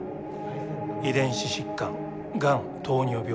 遺伝子疾患がん糖尿病ＨＩＶ。